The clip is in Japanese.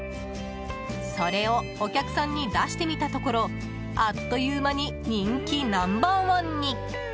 それをお客さんに出してみたところあっという間に人気ナンバーワンに。